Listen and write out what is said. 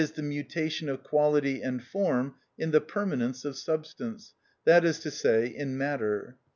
_, the mutation of quality and form in the permanence of substance, that is to say, in matter.